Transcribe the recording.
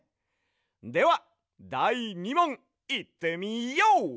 ではだい２もんいってみＹＯ！